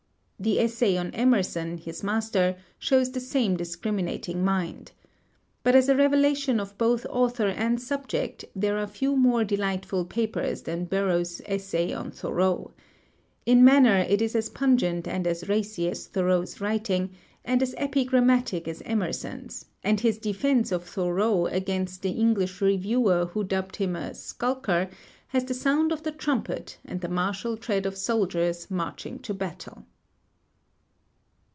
The essay on Emerson, his master, shows the same discriminating mind. But as a revelation of both author and subject there are few more delightful papers than Burroughs's essay on Thoreau. In manner it is as pungent and as racy as Thoreau's writings, and as epigrammatic as Emerson's; and his defense of Thoreau against the English reviewer who dubbed him a "skulker" has the sound of the trumpet and the martial tread of soldiers marching to battle.